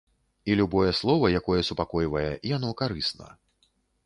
І любое слова, якое супакойвае, яно карысна.